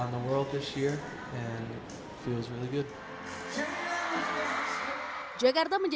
jadi kami menulis semua lagunya